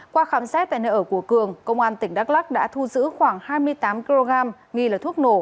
qua khám xét tại nơi ở của cường công an tỉnh đắk lắc đã thu giữ khoảng hai mươi tám kg nghi là thuốc nổ